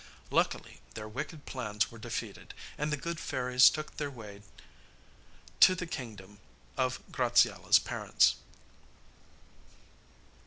Luckily their wicked plans were defeated, and the good fairies took their way to the kingdom of Graziella's parents.